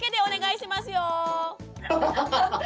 ハハハハッ！